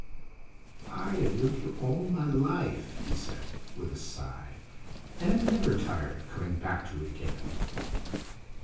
"I have lived here all my life," he said, with a sigh, "and am never tired of coming back to it again."